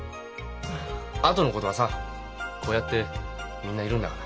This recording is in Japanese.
あとのことはさこうやってみんないるんだから。